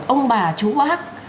ông bà chú bác